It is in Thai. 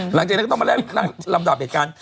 หลังจากนั้นก็ต้องมาเล่นลำดับเหตุการณ์